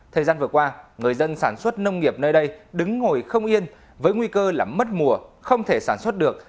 thời gian vừa qua người dân sản xuất nông nghiệp nơi đây đứng ngồi không yên với nguy cơ là mất mùa không thể sản xuất được